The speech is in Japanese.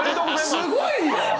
すごいよ！